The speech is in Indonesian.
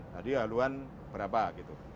jadi haluan berapa gitu